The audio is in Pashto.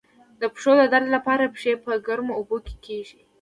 د پښو د درد لپاره پښې په ګرمو اوبو کې کیږدئ